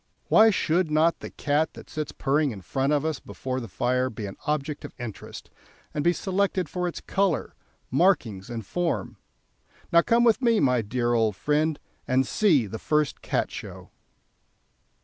Why should not the cat that sits purring in front of us before the fire be an object of interest, and be selected for its colour, markings, and form? Now come with me, my dear old friend, and see the first Cat Show."